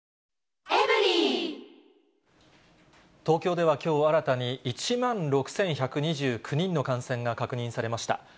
東京ではきょう、新たに１万６１２９人の感染が確認されました。